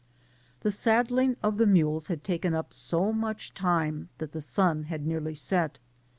The saddling of the mules had taken up so much time that the sun had nearly set.